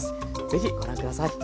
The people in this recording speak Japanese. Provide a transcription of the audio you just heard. ぜひご覧下さい。